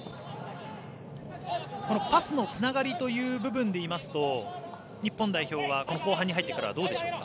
このパスのつながりという部分で言いますと日本代表はこの後半に入ってからはどうですか？